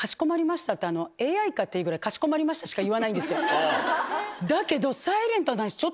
ＡＩかっていうぐらい「かしこまりました」しか言わないんですよだけど。